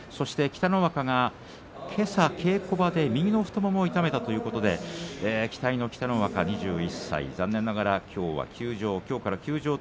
北の若が、けさ稽古場で右の太ももを痛めたということで期待の北の若、２１歳残念ながらきょうは休場。